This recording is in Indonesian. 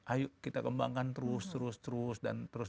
ayo kita kembangkan terus